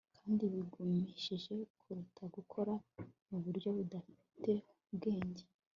kandi bigushimishe kuruta gukora mu buryo budafite ubwenge